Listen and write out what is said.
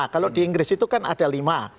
kalau di inggris itu kan ada lima